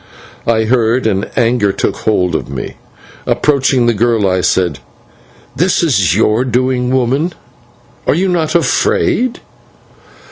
I heard, and anger took hold of me. Approaching the girl, I said: "This is your doing, woman! Are you not afraid?"